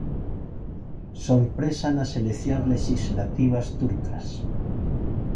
Sorpresa nas eleccións lexislativas turcas.